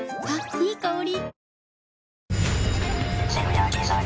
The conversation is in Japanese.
いい香り。